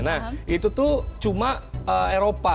nah itu tuh cuma eropa